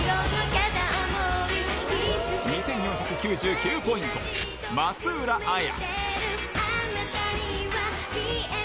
２４９９ポイント、松浦亜弥。